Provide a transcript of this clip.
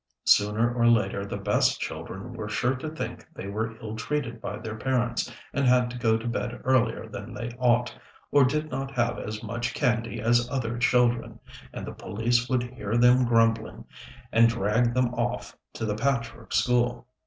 Sooner or later, the best children were sure to think they were ill treated by their parents, and had to go to bed earlier than they ought, or did not have as much candy as other children; and the police would hear them grumbling, and drag them off to the Patchwork School.